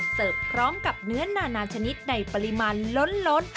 เสิร์ฟพร้อมกับเนื้อนานาชนิดในปริมาณล้น